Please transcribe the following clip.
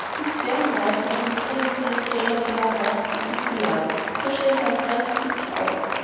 This very night I will tell thee a tale of a lover and his beloved, so shall thy breast be broadened."